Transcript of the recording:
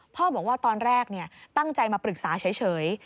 พ่อบอกว่าตอนแรกตั้งใจมาปรึกษาเฉย